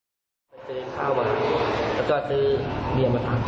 แต่ดังนี้เขาก็จะโกนเสียงดังแต่เราไม่ได้หนีนะไม่ได้หนี